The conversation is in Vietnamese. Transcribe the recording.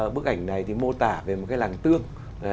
bức ảnh này thì mô tả về một cái làng tương